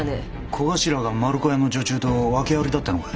小頭が丸子屋の女中と訳ありだってのかい？